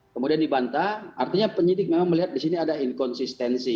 kemudian dibantah artinya penyidik memang melihat di sini ada inkonsistensi